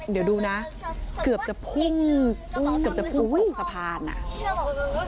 เดี๋ยวดูนะเกือบจะพุ่งสะพานอ่ะ